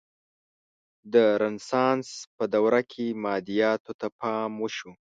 د رنسانس په دوره کې مادیاتو ته پام وشو.